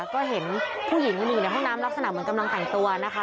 ก็เห็นผู้หญิงอยู่ในห้องน้ำลักษณะเหมือนกำลังแต่งตัวนะคะ